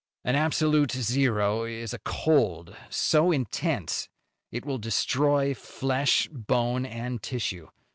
"An absolute zero is a cold so intense it will destroy flesh, bone and tissue.